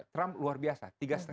trump luar biasa